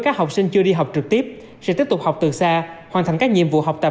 các học sinh chưa đi học trực tiếp sẽ tiếp tục học từ xa hoàn thành các nhiệm vụ học tập